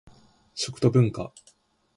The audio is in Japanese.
食と文化